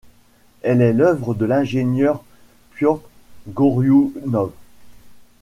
Elle est l'œuvre de l'ingénieur Piotr Goriounov.